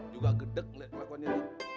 juga gedeg liat pakaiannya